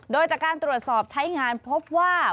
โดยจากการตรวจสอบใช้งานพบว่า